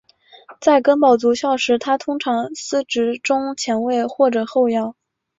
在根宝足校时他通常司职中前卫或者后腰。